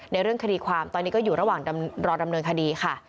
เรื่องคดีความตอนนี้ก็อยู่ระหว่างรอดำเนินคดีค่ะ